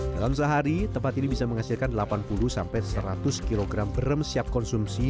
dalam sehari tempat ini bisa menghasilkan delapan puluh seratus kg berem siap konsumsi